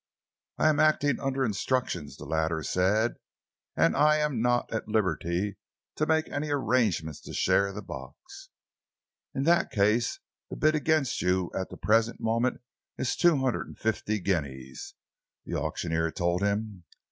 "I am acting under instructions," the latter said, "and I am not at liberty to make any arrangements to share the box." "In that case, the bid against you at the present moment is two hundred and fifty guineas," the auctioneer told him.